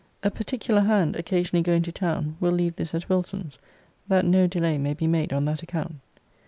A particular hand, occasionally going to town, will leave this at Wilson's, that no delay may be made on that account.